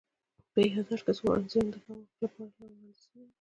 په يا ياداشت کي څو وړانديزونه د غور لپاره وړاندي سوي وه